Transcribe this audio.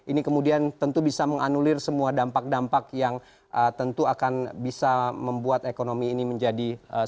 ini kemudian tentu bisa menganulir semua dampak dampak yang tentu akan bisa membuat ekonomi ini menjadi semakin